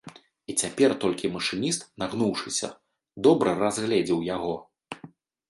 І цяпер толькі машыніст, нагнуўшыся, добра разгледзеў яго.